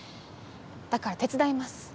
だから手伝います。